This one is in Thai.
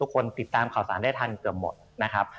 คุณสินทะนันสวัสดีครับ